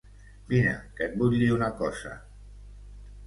Vine, que et vull dir una cosa.